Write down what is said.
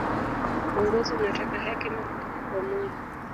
uongozi unataka hekima kutoka kwa mungu